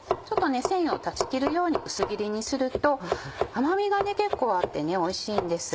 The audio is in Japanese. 繊維を断ち切るように薄切りにすると甘みが結構あっておいしいんです。